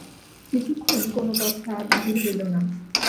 কিছুক্ষণ কোনো কথা বাহির হইল না।